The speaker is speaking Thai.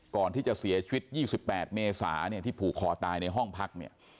ก่อนที่จะเสียชีวิต๒๘เมษาที่ผูคอตายในห้องพัก